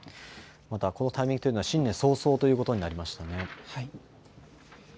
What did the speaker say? このタイミングというのは新年早々ということになりましたね。